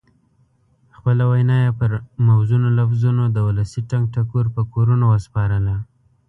خپله وینا یې پر موزونو لفظونو د ولسي ټنګ ټکور په کورونو وسپارله.